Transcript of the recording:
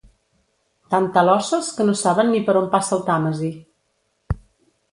Tan talosses que no saben ni per on passa el Tàmesi.